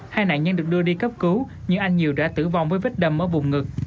hai nạn nhân được đưa đi cấp cứu nhưng anh nhiều đã tử vong với vết đâm ở vùng ngực